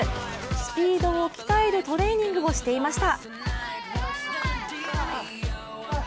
スピードを鍛えるトレーニングをしていました。